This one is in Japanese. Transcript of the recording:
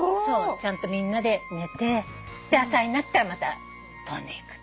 ちゃんとみんなで寝て朝になったらまた飛んでいく。